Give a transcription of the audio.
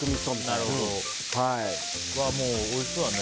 うわ、もうおいしそうだね。